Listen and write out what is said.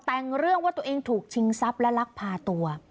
แต่งเรื่องว่าตัวเองถูกชิงทรัพย์และลักพาตัว